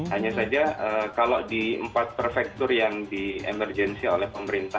hanya saja kalau di empat prefektur yang di emergensi oleh pemerintah